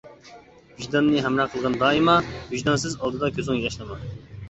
ۋىجداننى ھەمراھ قىلغىن دائىما، ۋىجدانسىز ئالدىدا كۆزۈڭ ياشلىما.